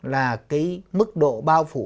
là cái mức độ bao phủ